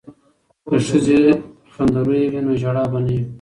که ښځې خندرویه وي نو ژړا به نه وي.